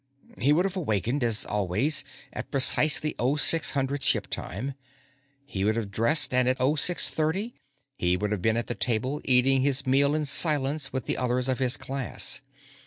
He would have awakened, as always, at precisely 0600 ship time. He would have dressed, and at 0630 he would have been at table, eating his meal in silence with the others of his class.